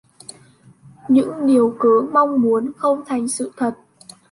Những điểu kớ mong muốn không thành sự thật